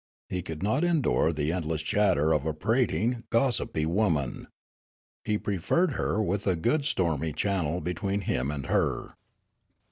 He could not endure the endless chatter of a prating, gossipy woman. He preferred her with a good stormy channel between him and her.